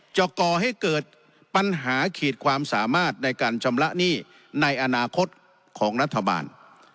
ก่อให้เกิดปัญหาขีดความสามารถในการชำระหนี้ในอนาคตของรัฐบาล